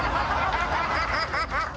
ハハハハ！